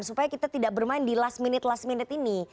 supaya kita tidak bermain di last minute last minute ini